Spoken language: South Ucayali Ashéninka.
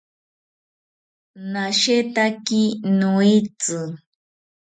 Nashetaki noetzi